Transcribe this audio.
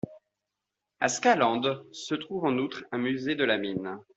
À Skaland se trouve en outre un musée de la Mine.